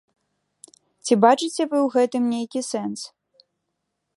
Ці бачыце вы ў гэтым нейкі сэнс?